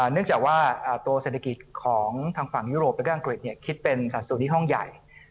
เนื่องจากว่าตัวเศรษฐกิจของทางฝั่งยุโรปแล้วก็อังกฤษคิดเป็นสัดส่วนที่ห้องใหญ่